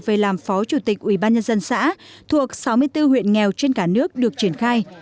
về làm phó chủ tịch ủy ban nhân dân xã thuộc sáu mươi bốn huyện nghèo trên cả nước được triển khai